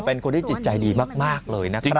เป็นคนที่จิตใจดีมากเลยนะครับ